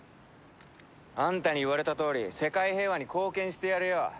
あんたに言われたとおり世界平和に貢献してやるよ。